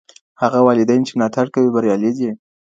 هغه والدین چي ملاتړ کوي بریالي دي.